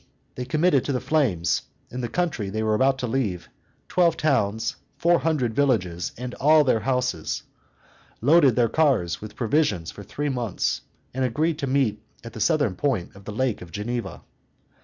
they committed to the flames, in the country they were about to leave, twelve towns, four hundred villages, and all their houses; loaded their cars with provisions for three months, and agreed to meet at the southern point of the Lake of Geneva.